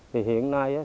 thì hiện nay á thì